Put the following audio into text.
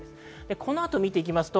このあと見ていきます。